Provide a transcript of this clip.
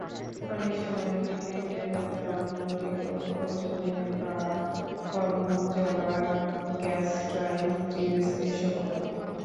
অনেক সময় অনেকের পেটে ব্যথা, অম্লঢেকুর, ওজনের বাড়া-কম, বুকজ্বলা, গ্যাস্ট্রাইটিস এসবও হয়।